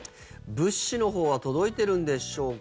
物資のほうは届いてるんでしょうか。